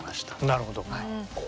なるほど。